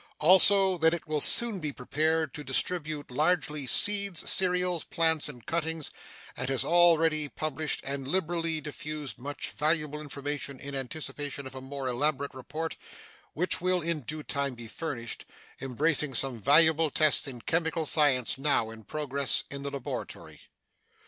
Also, that it will soon be prepared to distribute largely seeds, cereals, plants, and cuttings, and has already published and liberally diffused much valuable information in anticipation of a more elaborate report, which will in due time be furnished, embracing some valuable tests in chemical science now in progress in the laboratory.